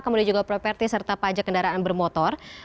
kemudian juga properti serta pajak kendaraan bermotor